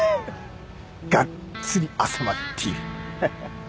がっつり朝までっていう